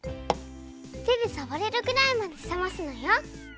てでさわれるぐらいまでさますのよ。